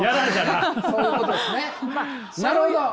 なるほど！